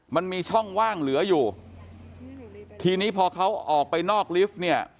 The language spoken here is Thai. มันมีช่องว่างเหลืออยู่ทีนี้พอเขาออกไปนอกลิฟต์เนี่ย